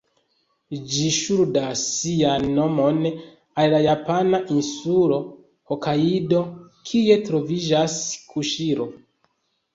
Ĝi ŝuldas sian nomon al la japana insulo Hokajdo, kie troviĝas Kuŝiro.